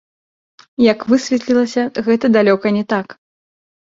Як высветлілася, гэта далёка не так.